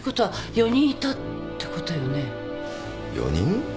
４人。